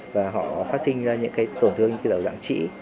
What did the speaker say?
và họ phát sinh ra những tổn thương dạng trĩ